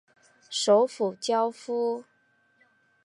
首府焦夫。